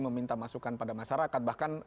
meminta masukan pada masyarakat bahkan